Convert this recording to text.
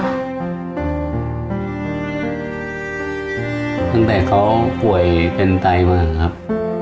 เหมือนเค้าป่วยเป็นไตไหมครับ